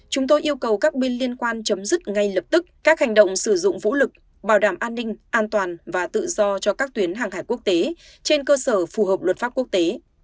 chúng tôi yêu cầu các bên liên quan chấm dứt ngay lập tức các hành động sử dụng vũ lực bảo đảm an ninh an toàn và tự do cho các tuyến hàng hải quốc tế trên cơ sở phù hợp luật pháp quốc tế